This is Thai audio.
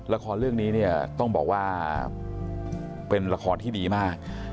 ละครเรื่องนี้เนี่ยต้องบอกว่าเป็นละครที่ดีมาก